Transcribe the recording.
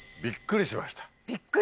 びっくりしました。